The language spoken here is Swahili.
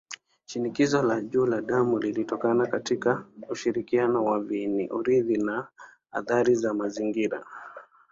Shinikizo la juu la damu linatokana katika ushirikiano wa viini-urithi na athari za mazingira.